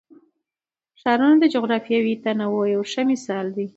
ښارونه د جغرافیوي تنوع یو ښه مثال دی.